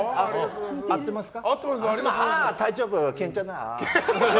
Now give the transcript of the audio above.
合ってますか？